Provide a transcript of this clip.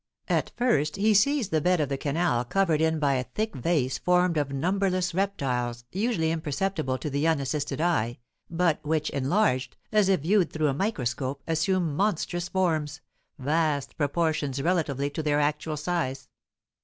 At first he sees the bed of the canal covered in by a thick vase formed of numberless reptiles usually imperceptible to the unassisted eye, but which, enlarged, as if viewed through a microscope, assume monstrous forms, vast proportions relatively to their actual size.